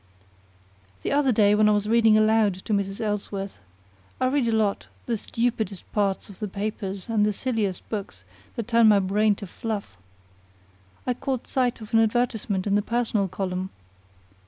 The other day when I was reading aloud to Mrs. Ellsworth (I read a lot: the stupidest parts of the papers and the silliest books, that turn my brain to fluff) I caught sight of an advertisement in the Personal Column.